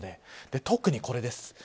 特にこれです。